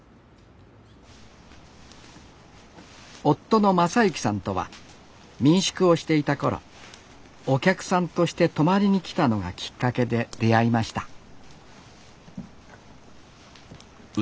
夫の正幸さんとは民宿をしていた頃お客さんとして泊まりにきたのがきっかけで出会いました